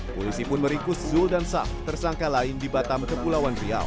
polisi pun meringkus zul dan saf tersangka lain di batam kepulauan riau